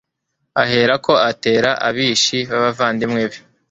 ahera ko atera abishi b'abavandimwe be